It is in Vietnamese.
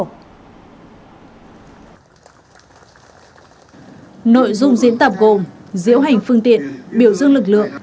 nội dung diễn tập gồm diễu hành phương tiện biểu dương lực lượng